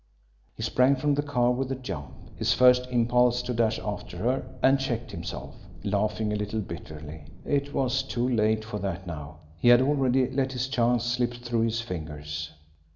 He sprang from the car with a jump, his first impulse to dash after her and checked himself, laughing a little bitterly. It was too late for that now he had already let his chance slip through his fingers.